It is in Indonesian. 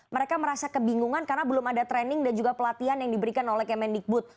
mereka merasa kebingungan karena belum ada training dan juga pelatihan yang diberikan oleh kemendikbud